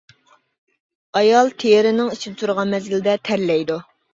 ئايال تېرىنىڭ ئىچىدە تۇرغان مەزگىلدە تەرلەيدۇ.